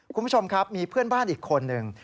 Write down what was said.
คุณผู้ชมครับมีเพื่อนบ้านอีกคนนึง